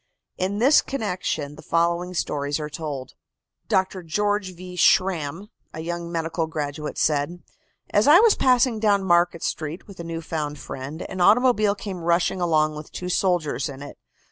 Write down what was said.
In this connection the following stories are told: Dr. George V. Schramm, a young medical graduate, said: "As I was passing down Market Street with a new found friend, an automobile came rushing along with two soldiers in it.